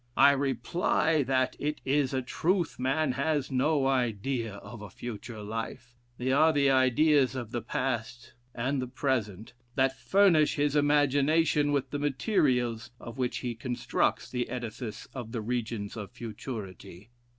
I reply, that it is a truth man has no idea of a future life; they are the ideas of the past and the present, that furnish his imagination with the materials of which he constructs the edifice of the regions of futurity.